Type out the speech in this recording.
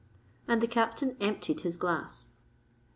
And the Captain emptied his glass.